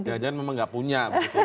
jangan memang tidak punya